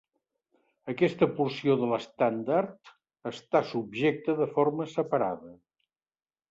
Aquesta porció de l'estàndard està subjecte de forma separada.